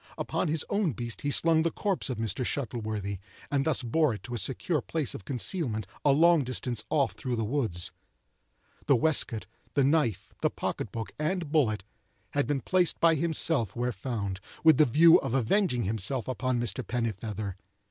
Upon his own beast he slung the corpse of Mr. Shuttleworthy, and thus bore it to a secure place of concealment a long distance off through the woods. The waistcoat, the knife, the pocket book, and bullet, had been placed by himself where found, with the view of avenging himself upon Mr. Pennifeather.